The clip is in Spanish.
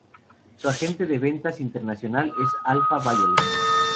Su agente de ventas internacional es Alpha Violet.